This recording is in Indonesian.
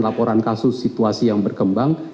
laporan kasus situasi yang berkembang